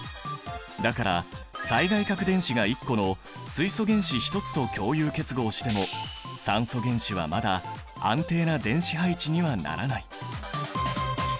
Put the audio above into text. だから最外殻電子が１個の水素原子１つと共有結合しても酸素原子はまだ安定な電子配置にはならない。